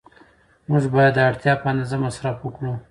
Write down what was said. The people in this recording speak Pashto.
موږ باید د اړتیا په اندازه مصرف وکړو.